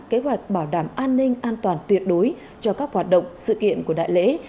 kế hoạch bảo đảm an ninh an toàn tuyệt đối cho các hoạt động sự kiện của đại lễ